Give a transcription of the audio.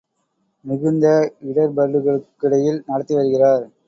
மிகுந்த இடர்பர்டுகளுக்கிடையில் நடத்தி வருகிறார்.